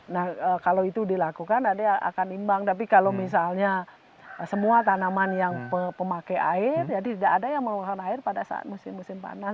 nah kalau itu dilakukan akan imbang tapi kalau misalnya semua tanaman yang pemakai air jadi tidak ada yang mengeluarkan air pada saat musim musim panas